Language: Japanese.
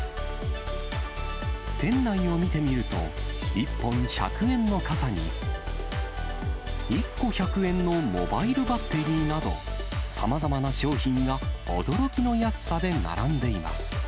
店内を見てみると、１本１００円の傘に、１個１００円のモバイルバッテリーなど、さまざまな商品が驚きの安さで並んでいます。